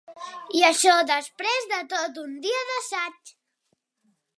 I això després de tot un dia d'assaigs.